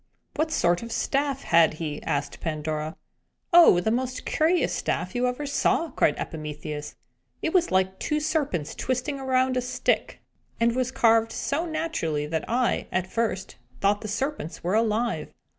"What sort of a staff had he?" asked Pandora. "Oh, the most curious staff you ever saw!" cried Epimetheus. "It was like two serpents twisting around a stick, and was carved so naturally that I, at first, thought the serpents were alive."